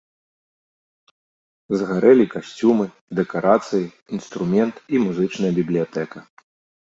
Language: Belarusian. Згарэлі касцюмы, дэкарацыі, інструмент і музычная бібліятэка.